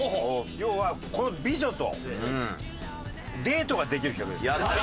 要はこの美女とデートができる企画です。